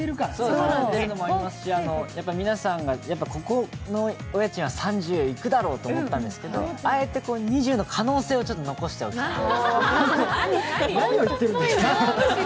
やっぱり皆さんが、ここのお家賃は３０はいくだろうと思ったんですけどあえて２０の可能性を残しておこうと。